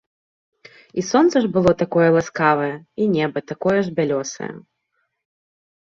І сонца ж было такое ласкавае і неба такое ж бялёсае.